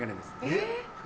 えっ！